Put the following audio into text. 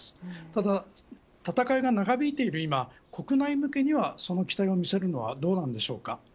ただ戦いが長引いている間は国内向けにはその機体を見せるのはどうなのでしょうか。